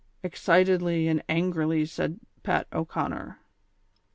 " excitedly and an grily said Pat 0"Conner.